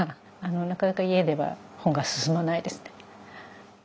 なかなか家では本が進まないですね。